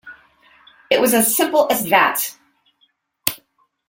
It was as simple as that!